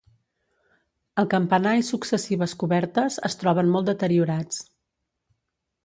El campanar i successives cobertes es troben molt deteriorats.